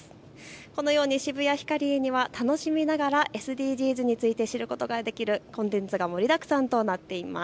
このように渋谷ヒカリエには楽しみながらＳＤＧｓについて知ることができるコンテンツが盛りだくさんとなっています。